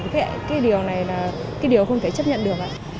cái điều này là cái điều không thể chấp nhận được